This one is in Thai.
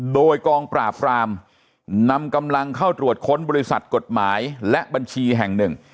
โดยกองปราบรามนำกำลังเข้าตรวจค้นบริษัทกฎหมายและบัญชีแห่งหนึ่ง